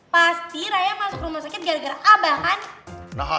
pasti raya masuk rumah sakit gara gara abah kan